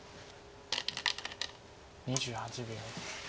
２８秒。